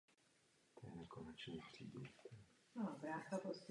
Hra na flétnu je proto často využívána ve školkách či školách.